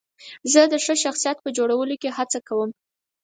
زه د ښه شخصیت په جوړولو کې هڅه کوم.